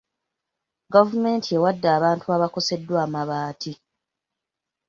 Gavumenti ewadde abantu abaakoseddwa amabaati.